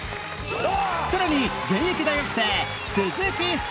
さらに現役大学生鈴木福